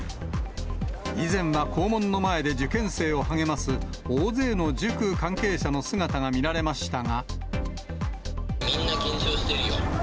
以前は校門の前で受験生を励ます大勢の塾関係者の姿が見られまし